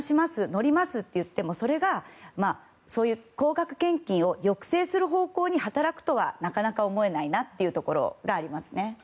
乗りますって言ってもそれが高額献金を抑制する方向に働くとは、なかなか思えないなというところがありますね。